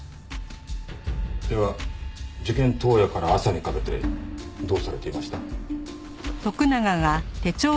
では事件当夜から朝にかけてどうされていました？